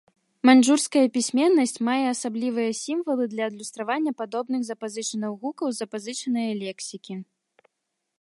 Маньчжурская пісьменнасць мае асаблівыя сімвалы для адлюстравання падобных запазычаных гукаў з запазычанае лексікі.